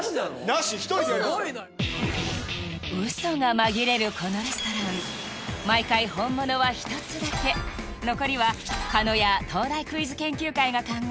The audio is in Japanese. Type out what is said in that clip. なし１人でやりますからすごいなウソが紛れるこのレストラン毎回本物は１つだけ残りは狩野や東大クイズ研究会が考え